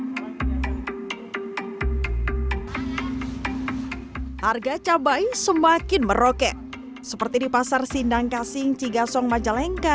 hai harga cabai semakin meroket seperti di pasar sindang kasing cigasong majalengka